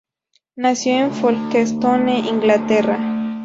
Nació en Folkestone, Inglaterra.